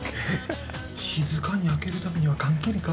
静かに開けるためには、缶切りか？